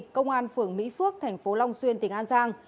công an phường mỹ phước tp long xuyên tỉnh an giang